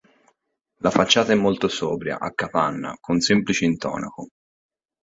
La facciata è molto sobria, a capanna, con semplice intonaco.